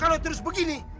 kalau terus begini